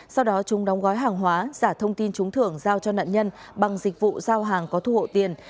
sau đó chúng đóng gói hàng hóa giả thông tin trúng thưởng giao cho nạn nhân bằng dịch vụ giao hàng có thu hộ tiền